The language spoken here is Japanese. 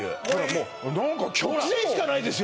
もう曲線しかないですよ